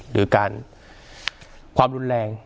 หรือการความรุนแรง